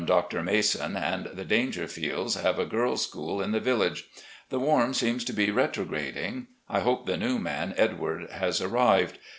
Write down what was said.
Mr. Mason and the Daingerfields have a girls' school in the village. The Warm seems to be retrograding. I hope the new man, Edward, has arrived.